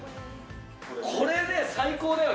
これね、最高だよね。